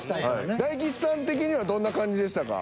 大吉さん的にはどんな感じでしたか？